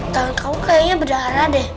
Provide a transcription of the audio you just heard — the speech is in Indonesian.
kalau kau kayaknya berdarah deh